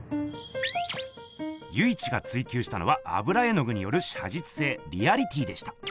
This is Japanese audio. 由一が追求したのは油絵の具によるしゃじつせいリアリティでした。